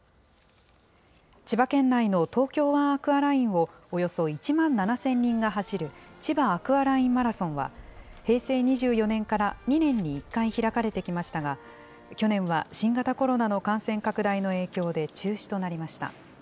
千葉県内の東京湾アクアラインをおよそ１万７０００人が走る、ちばアクアラインマラソンは、平成２４年から２年に１回開かれてきましたが、去年は新型コロナの感染拡大の影響で、中止となりました。